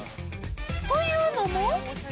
というのも。